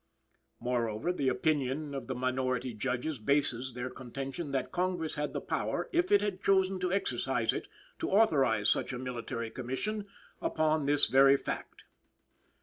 Moreover, the opinion of the minority Judges bases their contention that Congress had the power, if it had chosen to exercise it, to authorize such a Military Commission, upon this very fact.